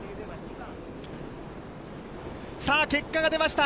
結果が出ました。